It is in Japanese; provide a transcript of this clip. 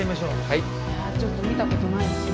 いやあちょっと見た事ないですね。